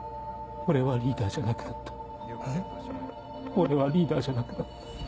俺はリーダーじゃなくなった。